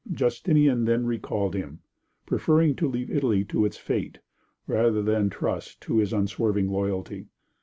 Justinian then recalled him, preferring to leave Italy to its fate rather than trust to his unswerving loyalty.